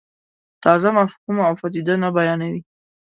تازه مفهوم او پدیده نه بیانوي.